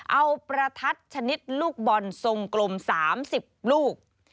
เอาประทัดชนิดลูกบอลทรงกลม๓๐ลูก